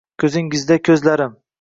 Ko’zingda ko’zlarim